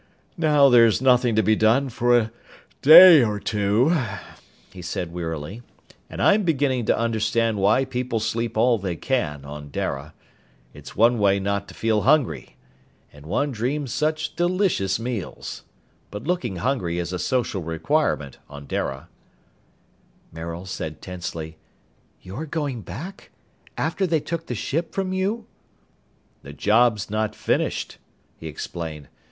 "Now there's nothing to be done for a day or two," he said wearily, "and I'm beginning to understand why people sleep all they can, on Dara. It's one way not to feel hungry. And one dreams such delicious meals! But looking hungry is a social requirement, on Dara." Maril said tensely, "You're going back? After they took the ship from you?" "The job's not finished," he explained.